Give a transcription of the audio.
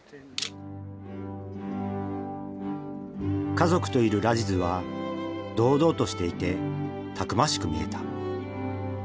家族といるラジズは堂々としていてたくましく見えた。